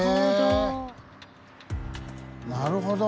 なるほど。